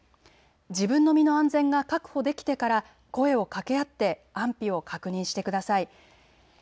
自分の身の安全が確保できてから声をかけ合って安否を確認してください。